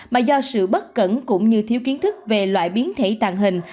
mà do sự bất cẩn cũng như thiếu kiến thức về loại biến thể tàn hình